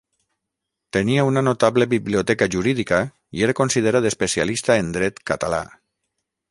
Tenia una notable biblioteca jurídica i era considerat especialista en dret català.